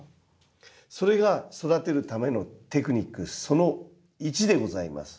それが育てるためのテクニックその１でございます。